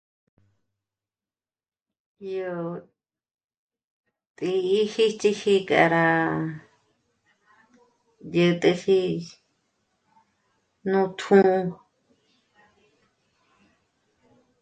Yó të́'ë jéch'eje k'a rá dyä̀t'äji nú tjū̂'ū